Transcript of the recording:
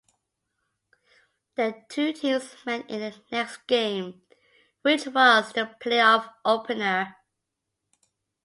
The two teams met in the next game, which was the playoff opener.